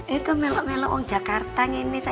eh kamu melok melok sama jakarta ngin nih say